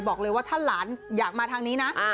บอกเลยว่าถ้าหลานอยากมาทางนี้นะ